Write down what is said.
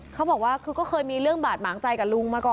เขาบอกว่าคือก็เคยมีเรื่องบาดหมางใจกับลุงมาก่อน